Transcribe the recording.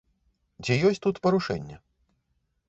Ці ёсць тут парушэнне?